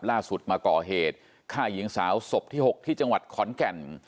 ล่าสุดมาก่อเหตุฆ่าหญิงสาวศพที่๖ที่จังหวัดขอนแก่น